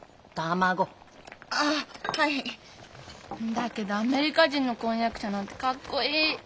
だけどアメリカ人の婚約者なんてかっこいい。